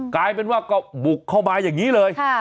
กลายเป็นว่าก็บุกเข้ามาอย่างนี้เลย